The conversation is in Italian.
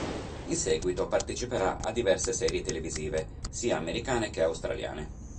In seguito parteciperà a diverse serie televisive, sia americane che australiane.